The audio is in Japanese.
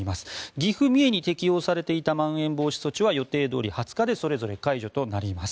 岐阜、三重に適用されていたまん延防止措置は予定どおり２０日でそれぞれ解除となります。